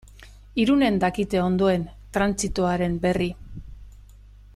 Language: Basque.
Irunen dakite ondoen trantsitoaren berri.